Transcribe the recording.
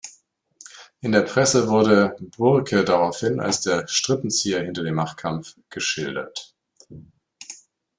In der Presse wurde Burke daraufhin als „der Strippenzieher hinter dem Machtkampf“ geschildert.